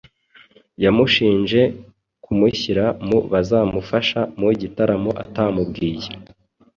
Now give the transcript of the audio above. yamushinje kumushyira mu bazamufasha mu gitaramo atamubwiye